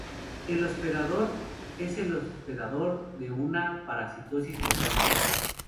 El "hospedador" es el hospedador de una parasitosis mecánica.